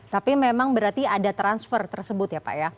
tapi memang berarti ada transfer tersebut ya pak ya